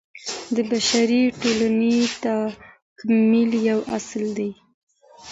د بشري ټولني تکامل يو اصل دی.